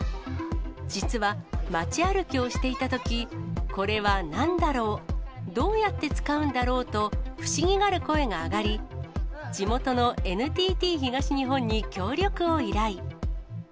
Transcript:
実は、街歩きをしていたとき、これはなんだろう、どうやって使うんだろうと、不思議がる声が上がり、地元のＮＴＴ東日本に協力を依頼。